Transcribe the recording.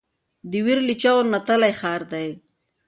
د ویر له چیغو نتلی ښار دی